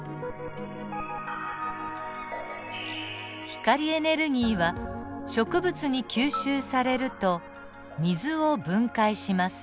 光エネルギーは植物に吸収されると水を分解します。